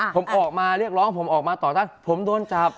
ผมออกมาเรียกร้องผมออกมาต่อต้านผมโดนจับ